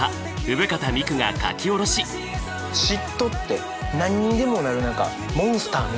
嫉妬って何にでもなる何かモンスターみたいなやつですよね。